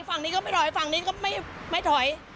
ฝั่งนี้ก็ไม่ถอยฝั่งนี้ก็ไม่ถอย